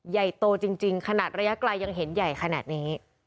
ใหญ่โตจริงขนาดระยะไกลยังเห็นใหญ่ขนาดนี้